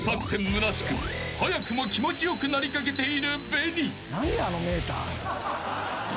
むなしく早くも気持ち良くなりかけているＢＥＮＩ］